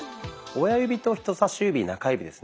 親指と人さし指中指ですね